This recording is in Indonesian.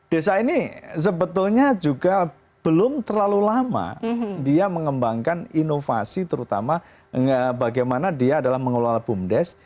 desa ini sebetulnya juga belum terlalu lama dia mengembangkan inovasi terutama bagaimana dia adalah mengelola bumdes